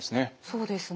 そうですね。